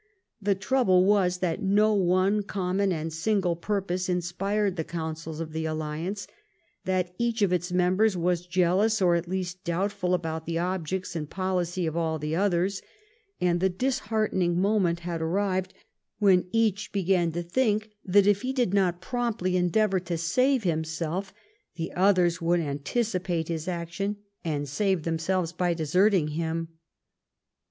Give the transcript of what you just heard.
The trouble was that no one com mon and single purpose inspired the counsels of the alliance, that each of its members was jealous, or, at least, doubtful about the objects and the policy of all the others, and the disheartening moment had arrived when each began to think that if he did not promptly endeavor to save himself the others would anticipate his action and save themselves by deserting him.